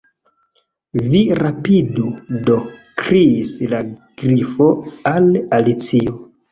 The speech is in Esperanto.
"Vi rapidu do," kriis la Grifo al Alicio.